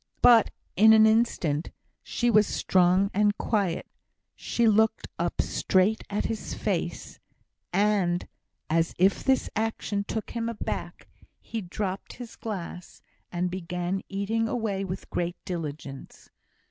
But in an instant she was strong and quiet. She looked up straight at his face; and, as if this action took him aback, he dropped his glass, and began eating away with great diligence.